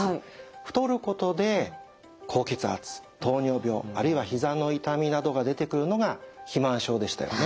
太ることで高血圧糖尿病あるいはひざの痛みなどが出てくるのが肥満症でしたよね。